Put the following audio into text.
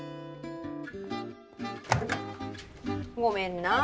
ごめんなあ